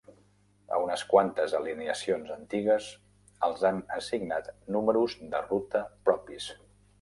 A unes quantes alineacions antigues els han assignat números de ruta propis.